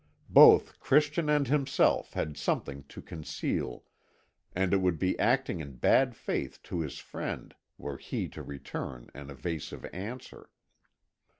Both Christian and himself had something to conceal, and it would be acting in bad faith to his friend were he to return an evasive answer.